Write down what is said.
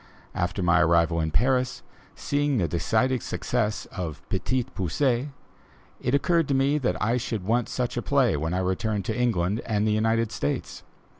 After my arrival in Paris, seeing the decided success of "Petit Poucet," it occurred to me that I should want such a play when I returned to England and the United States.